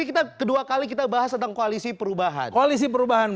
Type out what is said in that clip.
kita kedua kali kita bahas tentang koalisi perubahan koalisi perubahan